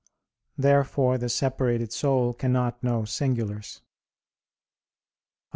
Therefore the separated soul cannot know singulars. Obj.